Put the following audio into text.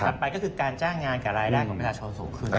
ไปก็คือการจ้างงานกับรายได้ของประชาชนสูงขึ้น